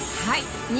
はい。